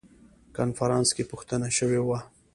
کنفرانس کې پوښتنه شوې وه.